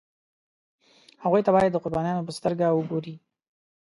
هغوی ته باید د قربانیانو په سترګه وګوري.